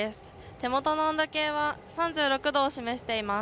手元の温度計は３６度を示しています。